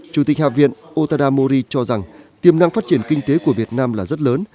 chủ tịch hạ viện otada mori cho rằng tiềm năng phát triển kinh tế của việt nam là rất lớn